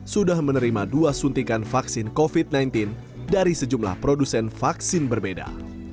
sudah menerima dua suntikan vaksin covid sembilan belas dari sejumlah produsen vaksin berbeda